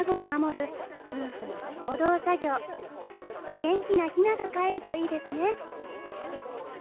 元気なヒナがかえるといいですね。